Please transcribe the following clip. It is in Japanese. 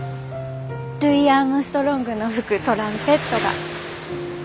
ルイ・アームストロングの吹くトランペットが。